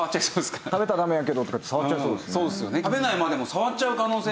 食べたらダメやけどとかって触っちゃいそうですね。